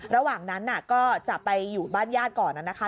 ระหว่างนั้นก็จะไปอยู่บ้านญาติก่อนนะคะ